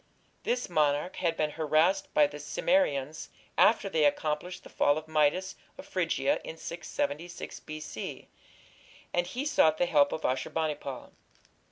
This monarch had been harassed by the Cimmerians after they accomplished the fall of Midas of Phrygia in 676 B.C., and he sought the help of Ashur bani pal.